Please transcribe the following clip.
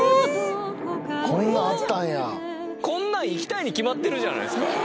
こんなん行きたいに決まってるじゃないですか！